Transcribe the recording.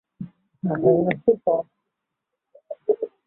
সকালে তিনি জানতে পান, পাইকগাছার কাশিমনগর এলাকায় তাঁর স্বামীর লাশ পড়ে আছে।